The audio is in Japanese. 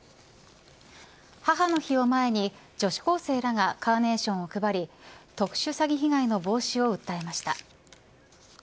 母の日を前に女子高生らがカーネーションを配り特殊詐欺被害の防止を訴えました。